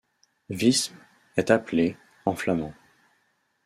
Wismes est appelée ' en flamand.